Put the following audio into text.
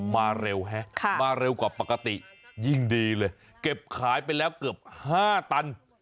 มาเร็วฮะมาเร็วกว่าปกติยิ่งดีเลยเก็บขายไปแล้วเกือบ๕ตัน